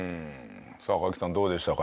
さあ賀喜さんどうでしたか？